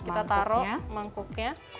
kita taruh mangkuknya